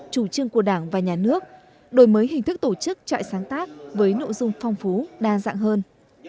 chủ trương của đảng và nhà nước đổi mới hình thức tổ chức trại sáng tác với nội dung phong phú đa dạng hơn